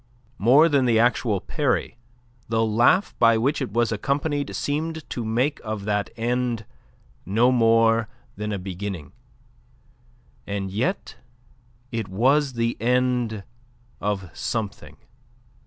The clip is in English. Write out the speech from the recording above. More than the actual parry, the laugh by which it was accompanied seemed to make of that end no more than a beginning. And yet it was the end of something.